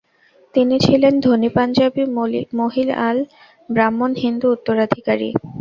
তিনি ছিলেন ধনী পাঞ্জাবী মহিয়াল ব্রাহ্মণ হিন্দু উত্তরাধিকারী।